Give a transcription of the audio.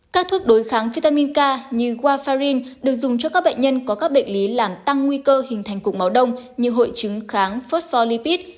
các thuốc đối kháng vitamin k như guafarin được dùng cho các bệnh nhân có các bệnh lý làm tăng nguy cơ hình thành cục máu đông như hội chứng kháng phospholipid